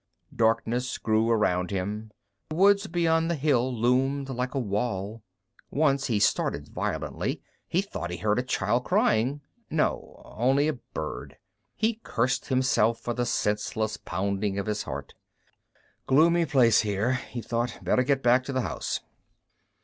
_ Darkness grew around him. The woods beyond the hill loomed like a wall. Once he started violently, he thought he heard a child crying. No, only a bird. He cursed himself for the senseless pounding of his heart. Gloomy place here, he thought. _Better get back to the house.